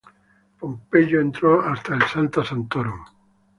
Pompeyo entró hasta el "Sancta Sanctorum.